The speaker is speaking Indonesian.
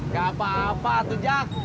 gak apa apa tujak